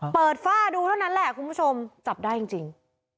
ฝ้าดูเท่านั้นแหละคุณผู้ชมจับได้จริง